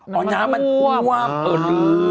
น้ำมันห้วม